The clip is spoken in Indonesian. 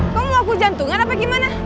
kamu mau aku jantungan apa gimana